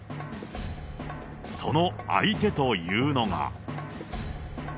その相手というのが。